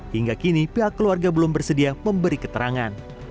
hingga kini pihak keluarga belum bersedia memberi keterangan